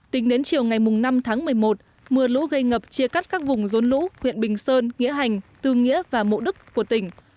tính đến chiều ngày năm tháng một mươi một mưa lũ gây ngập chia cắt các vùng rốn lũ huyện bình sơn nghĩa hành tư nghĩa và mộ đức của tỉnh